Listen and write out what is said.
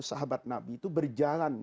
sahabat nabi itu berjalan